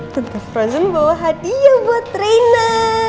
tante frozen bawa hadiah buat raina